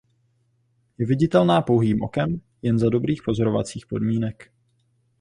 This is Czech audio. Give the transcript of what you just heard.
Je viditelná pouhým okem jen za dobrých pozorovacích podmínek.